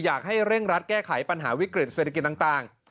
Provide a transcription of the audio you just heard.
อยากให้เร่งรัดแก้ไขปัญหาวิกฤตเศรษฐกิจต่าง